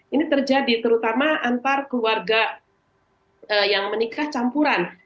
ini terjadi terutama antar keluarga yang menikah campuran